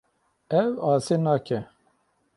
Ew asê nake.